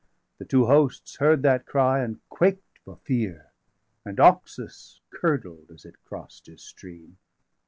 The two hosts heard that cry, and quaked for fear, And Oxus curdled° as it cross'd his stream.